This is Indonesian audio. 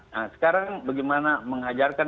nah sekarang bagaimana mengajarkan